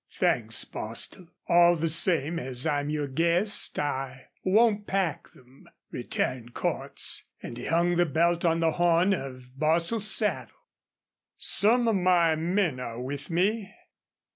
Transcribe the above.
"Thanks, Bostil. All the same, as I'm your guest I won't pack them," returned Cordts, and he hung the belt on the horn of Bostil's saddle. "Some of my men are with me.